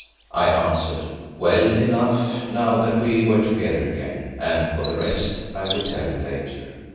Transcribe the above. I answered, well enough now that we were together again, and for the rest I would tell him later.